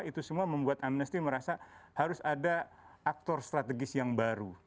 itu semua membuat amnesty merasa harus ada aktor strategis yang baru